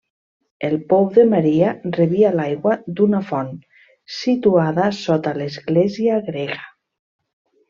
El Pou de Maria rebia l'aigua d'una font situada sota l'església grega.